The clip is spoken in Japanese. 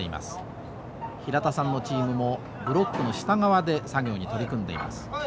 平田さんのチームもブロックの下側で作業に取り組んでいます。